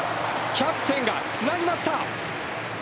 キャプテンがつなぎました。